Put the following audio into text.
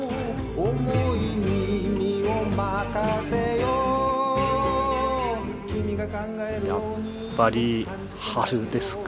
「思いに身を任せよう」やっぱり春ですかねはい。